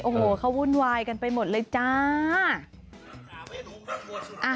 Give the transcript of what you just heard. โอ้โหเขาวุ่นวายกันไปหมดเลยจ้า